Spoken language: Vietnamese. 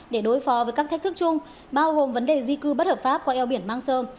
để đối phó với các thách thức chung bao gồm vấn đề di cư bất hợp pháp qua eo biển mansom